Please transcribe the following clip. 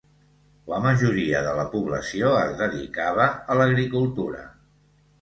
La majoria de la població es dedicava a l'agricultura.